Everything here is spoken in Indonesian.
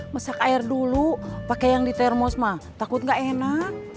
masak air dulu pakai yang di termosma takut gak enak